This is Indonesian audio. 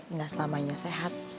nggak selamanya sehat